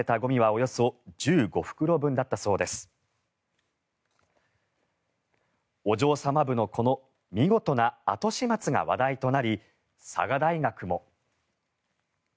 お嬢様部のこの見事な後始末が話題となり佐賀大学も。